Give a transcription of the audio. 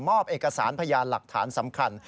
เอกสารพยานหลักฐานสำคัญ